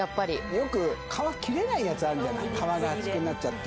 よく皮切れないやつあるじゃない皮が厚くなっちゃって。